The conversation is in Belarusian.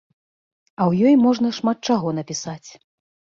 А ў ёй можна шмат чаго напісаць.